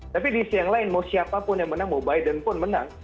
tapi di sisi yang lain mau siapapun yang menang mau biden pun menang